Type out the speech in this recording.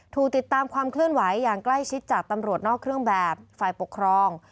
ถูกติดตามความเคลื่อนไหวอย่างใกล้ชิดจากตำรวจนอกเครื่องแบบฝ่ายปกครอง